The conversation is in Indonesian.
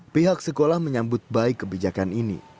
pihak sekolah menyambut baik kebijakan ini